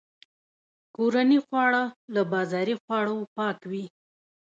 کورني خواړه له بازاري خوړو پاک وي.